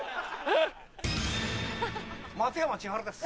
松山千春です。